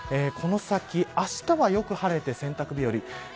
この先あしたよく晴れて洗濯日和。